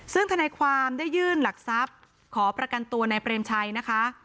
ซึ่งธนายความได้ยื่นหลักทรัพย์ขอประกันตัวนายเปรมชัยนะคะ